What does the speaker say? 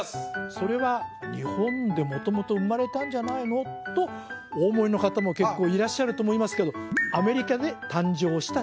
それは日本で元々生まれたんじゃないのとお思いの方も結構いらっしゃると思いますけどアメリカで誕生した